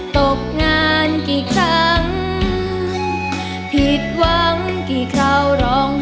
ตกงานกี่ครั้งผิดหวังกี่คราวร้อง